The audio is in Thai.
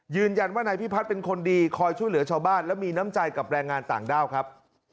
ยืนยันว่านายพิพัฒน์เป็นคนดีคอยช่วยเหลือชาวบ้านและมีน้ำใจกับแรงงานต่างด้าวครับ